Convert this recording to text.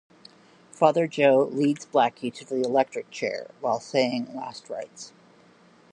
Father Joe leads Blackie to the electric chair while saying last rites.